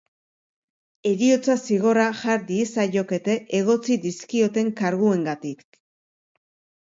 Heriotza zigorra jar diezaiokete egotzi dizkioten karguengatik.